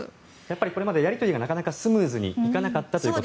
これまでやり取りがなかなかスムーズにいかなかったということが。